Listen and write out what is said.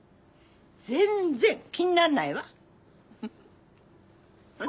全然気になんないわ。フフフ。